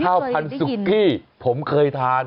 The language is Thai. ข้าวพันธุ์ซุกี้ผมเคยทาน